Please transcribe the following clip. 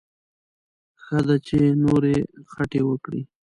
ښه ده چې نورې خټې وکړي.